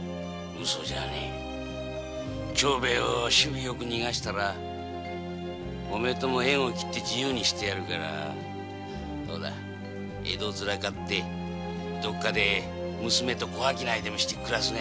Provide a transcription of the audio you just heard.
ウソじゃねえ長兵ヱを首尾よく逃がしたらお前とも縁を切って自由にしてやるから江戸をずらかってどこかで娘と小商いでもして暮らすといいや。